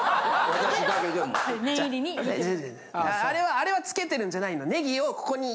あれはつけてるんじゃないの。